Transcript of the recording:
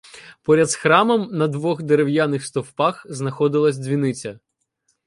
Поряд з храмом на двох дерев'яних стовпах знаходилась дзвіниця.